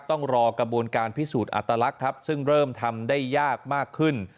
ต้องรอกระบวนการพิสูจน์อัตลักษณ์ครับซึ่งเริ่มทำได้ยากมากขึ้น